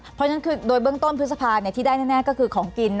เพราะฉะนั้นคือโดยเบื้องต้นพฤษภาที่ได้แน่ก็คือของกิน